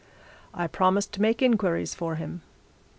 I promised to make inquiries for him.